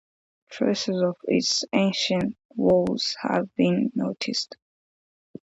Traces of its ancient walls have been noticed.